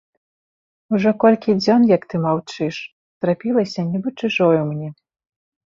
Ужо колькі дзён, як ты маўчыш, зрабілася нібы чужою мне.